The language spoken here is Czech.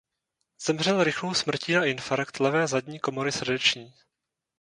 Zemřel rychlou smrtí na infarkt levé zadní komory srdeční.